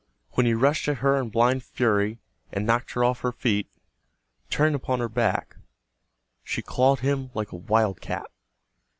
Then he rushed at her in blind fury, and knocked her off her feet. Turning upon her back, she clawed him like a wildcat.